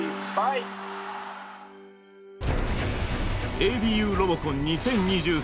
「ＡＢＵロボコン２０２３」。